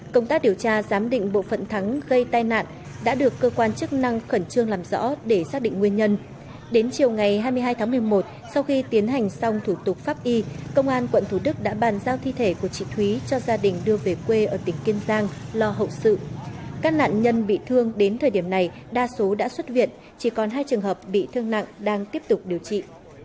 công tác điều tra giám định bộ phận thắng gây tai nạn đã được cơ quan chức năng khẩn trương làm rõ để xác định nguyên nhân đến chiều ngày hai mươi hai tháng một mươi một sau khi tiến hành xong thủ tục pháp y công an quận thủ đức đã bàn giao thi thể của chị thúy cho gia đình đưa về quê ở tỉnh kiên giang lo hậu sự các nạn nhân bị thương đến thời điểm này đa số đã xuất viện chỉ còn hai trường hợp bị thương nặng đang tiếp tục điều trị